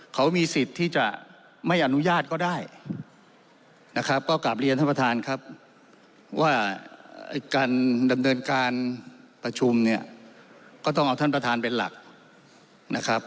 เขามีสิทธิ์ที่จะไม่อนุญาตก็ได้นะครับก็กลับเรียนท่านประธานครับว่าการดำเนินการประชุมเนี่ยก็ต้องเอาท่านประธานเป็นหลักนะครับ